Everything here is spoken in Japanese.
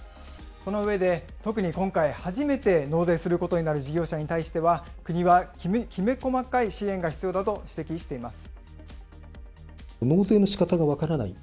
その上で、特に今回、初めて納税することになる事業者に対しては、国はきめ細かい支援が必要だと指摘しています。